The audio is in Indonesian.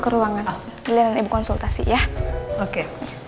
ke ruangan oh pilihan ibu konsultasi ya oke